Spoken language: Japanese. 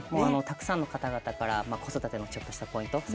たくさんの方々から子育てのちょっとしたポイント